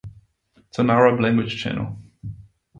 It is an Arab language channel.